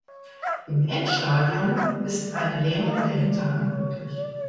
Im Endstadium ist eine Lähmung der Hinterhand möglich.